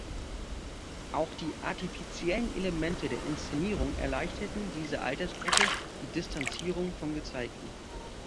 Auch die artifiziellen Elemente der Inszenierung erleichterten dieser Altersgruppe die Distanzierung vom Gezeigten.